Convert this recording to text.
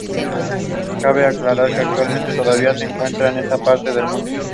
Cabe aclarar que actualmente todavía se encuentran en esta parte del mundo.